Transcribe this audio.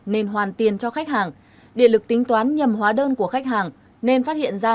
nên hoàn tiền cho khách hàng điện lực tính toán nhầm hóa đơn của khách hàng nên phát hiện ra